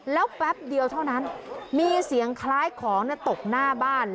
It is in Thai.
แล้วแป๊บเดียวเท่านั้นมีเสียงคล้ายของตกหน้าบ้าน